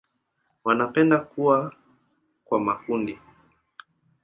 Wanapenda kuwa kwa makundi.